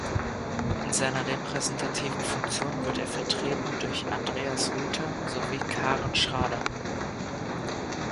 In seiner repräsentativen Funktion wird er vertreten durch Andreas Rüther sowie Karin Schrader.